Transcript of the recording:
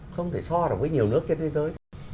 không thể so được với nhiều nước trên thế giới